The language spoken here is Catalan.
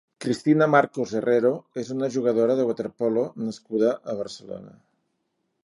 Cristina Marcos Herrero és una jugadora de waterpolo nascuda a Barcelona.